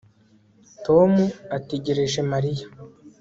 Tom ategereje Mariya